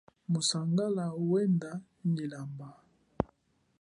Musangala wenda nyi lamba.